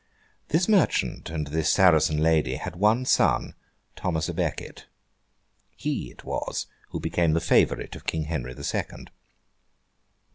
This merchant and this Saracen lady had one son, Thomas à Becket. He it was who became the Favourite of King Henry the Second.